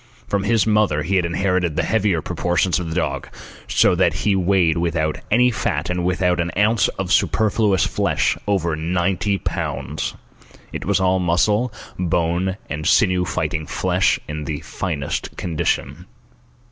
From his mother he had inherited the heavier proportions of the dog, so that he weighed, without any fat and without an ounce of superfluous flesh, over ninety pounds. It was all muscle, bone, and sinew fighting flesh in the finest condition.